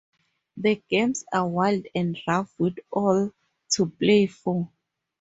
The games are wild and rough with all to play for.